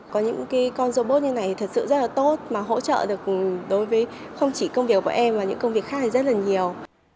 có những cái con robot như thế này thật sự rất là tốt mà hỗ trợ được đối với không chỉ công việc của em mà những công việc khác rất là nhiều